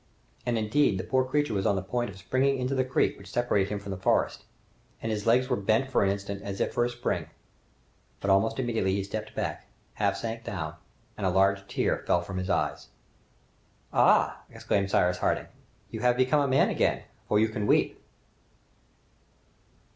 And, indeed, the poor creature was on the point of springing into the creek which separated him from the forest, and his legs were bent for an instant as if for a spring, but almost immediately he stepped back, half sank down, and a large tear fell from his eyes. "Ah!" exclaimed Cyrus Harding, "you have become a man again, for you can weep!"